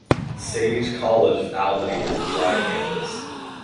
Sage College of Albany is a dry campus.